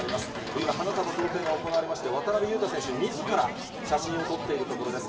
今、花束贈呈が行われまして、渡邊雄太選手みずから写真を撮っているところです。